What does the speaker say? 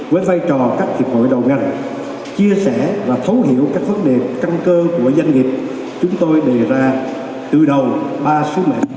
với vai trò các hiệp hội đầu ngành chia sẻ và thấu hiểu các vấn đề căn cơ của doanh nghiệp chúng tôi đề ra từ đầu ba sứ mệnh